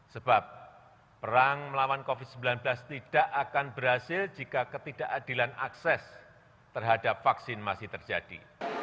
sebab perang melawan covid sembilan belas tidak akan berhasil jika ketidakadilan akses terhadap vaksin masih terjadi